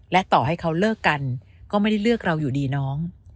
และต่อให้เขาเลิกกันก็ไม่ได้เลือกเราอยู่ดีน้อง